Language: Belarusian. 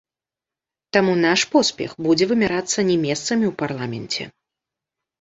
Таму наш поспех будзе вымярацца не месцамі ў парламенце.